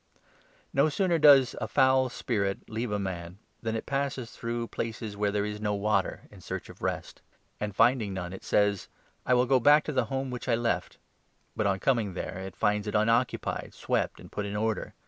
No sooner does a 24 imperfect foul spirit leave a man, than it passes through Reformation, places where there is no water, in search of rest ; and finding none, it says ' I will go back to the home which I left '; but, on coming there, it finds it unoccupied, swept, 25 and put in order.